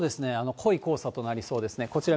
濃い黄砂となりそうですね。